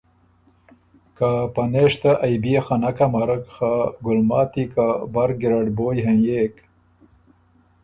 که پنېشته ائ بيې خه نک امرک خه ګلماتی که بر ګیرډ بویٛ هېںئېک